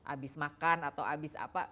abis makan atau habis apa